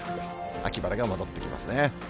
秋晴れが戻ってきますね。